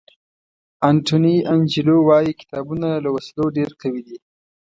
انټوني انجیلو وایي کتابونه له وسلو ډېر قوي دي.